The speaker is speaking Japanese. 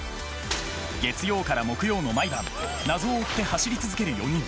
月曜から木曜の毎晩謎を追って走り続ける４人。